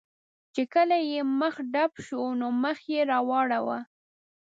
چې کله یې مخه ډب شوه، نو مخ یې را واړاوه.